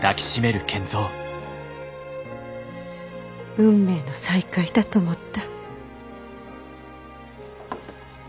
運命の再会だと思った。